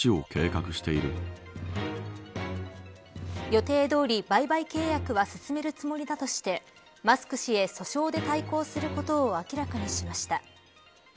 予定どおり売買契約は進めるつもりだとしてマスク氏へ訴訟で対抗することを明らかにしました。